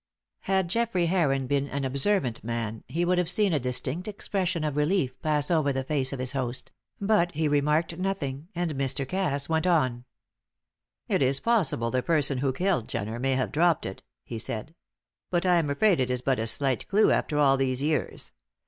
Had Geoffrey Heron been an observant man he would have seen a distinct expression of relief pass over the face of his host; but he remarked nothing, and Mr. Cass went on. "It is possible the person who killed Jenner may have dropped it," he said. "But I am afraid it is but a slight clue after all these years.